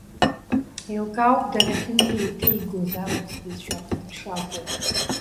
Еилкаауп дара ахьынтәеиҭеигоз аурыс бызшәа аҟнытә шакәу.